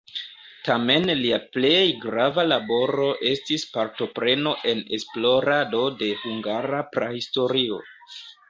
Tamen lia plej grava laboro estis partopreno en esplorado de hungara prahistorio.